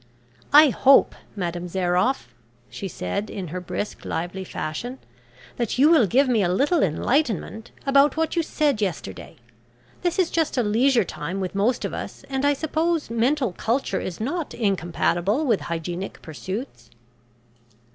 "I hope, Madame Zairoff," she said, in her brisk, lively, fashion, "that you will give me a little enlightenment about what you said yesterday. This is just a leisure time with most of us, and I suppose mental culture is not incompatible with hygienic pursuits."